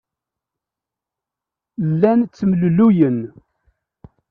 Llan ttemlelluyen.